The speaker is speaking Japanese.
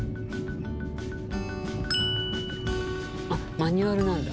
あっマニュアルなんだ。